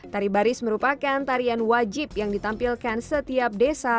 tari baris merupakan tarian wajib yang ditampilkan setiap desa